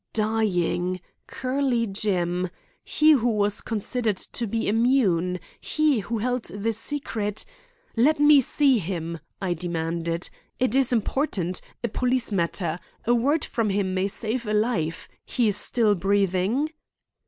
Dying! Curly Jim. He who was considered to be immune! He who held the secret— "Let me see him," I demanded. "It is important—a police matter—a word from him may save a life. He is still breathing?"